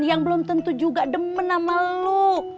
yang belum tentu juga demen sama lo